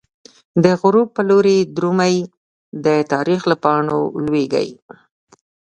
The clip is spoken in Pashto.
دغروب په لوری درومی، د تاریخ له پاڼو لویږی